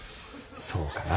そうかな。